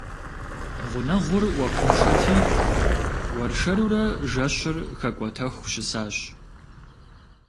Гъунэгъур Ӏуэхуншэти, уэршэрурэ жэщыр хэкӀуэтэху щысащ.